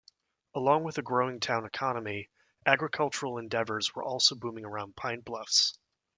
Along with a growing town economy, agricultural endeavors were also booming around Pine Bluffs.